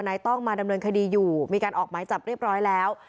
ต้องมาดำเนินคดีอยู่มีการออกหมายจับเรียบร้อยแล้ว